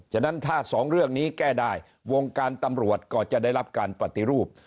ฉะนั้นถ้าสองเรื่องนี้แก้ได้วงการตำรวจก็จะได้รับการปฏิรูป